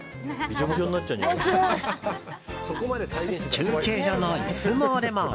休憩所の椅子もレモン！